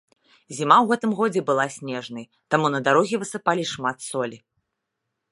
Зіма ў гэтым годзе была снежнай, таму на дарогі высыпалі шмат солі.